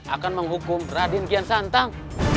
akan menghukum raden kian santang